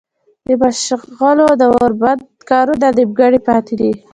د مچلغو د اوبو بند کارونه نيمګړي پاتې دي